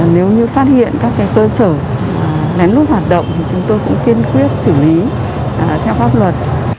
nếu như phát hiện các cơ sở nén lút hoạt động thì chúng tôi cũng kiên quyết xử lý theo pháp luật